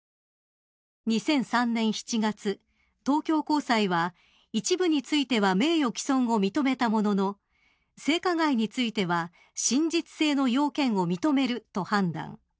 ２００３年７月、東京高裁は一部については名誉毀損を認めたものの性加害については真実性の要件を認めると判断。